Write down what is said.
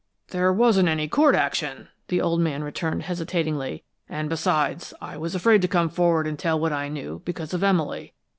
"There wasn't any court action," the old man returned, hesitatingly. "And besides, I was afraid to come forward and tell what I knew, because of Emily.